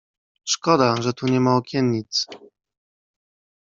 "Szkoda, że tu niema okiennic."